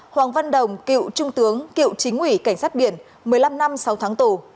hoàng văn đồng cựu trung tướng cựu chính ủy cảnh sát biển một mươi năm năm sáu tháng tù